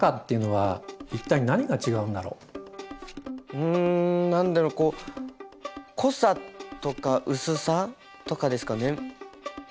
うん何だろう濃さとか薄さとかですかね？